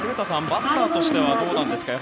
バッターとしてはどうですか。